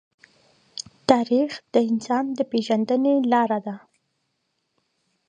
تاریخ د انسان د پېژندنې لار دی.